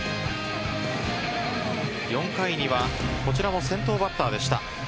４回にはこちらも先頭バッターでした。